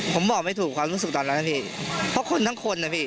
ผมบอกไม่ถูกความรู้สึกตอนนั้นนะพี่เพราะคนทั้งคนนะพี่